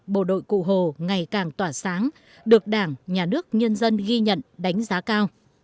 bộ đội cụ hồ ngày càng tỏa sáng được đảng nhà nước nhân dân ghi nhận đánh giá cao